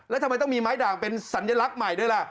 แล้วทำไมต้องมีไม้ด่างเป็นสัญลักษณ์ใหม่ด้วยล่ะ